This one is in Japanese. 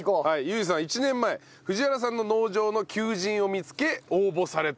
唯さんは１年前藤原さんの農場の求人を見つけ応募されたと。